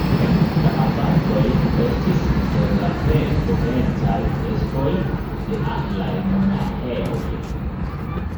La abatoj estis inter la plej potencaj estroj de anglaj monaĥejoj.